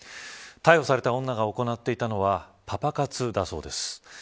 逮捕された女が行っていたのはパパ活だそうです。